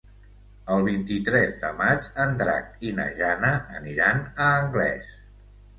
El vint-i-tres de maig en Drac i na Jana aniran a Anglès.